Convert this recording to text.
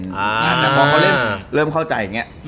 แต่พอเขาเริ่มเข้าใจอย่างนี้